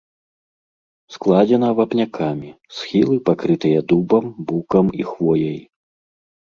Складзена вапнякамі, схілы пакрытыя дубам, букам і хвояй.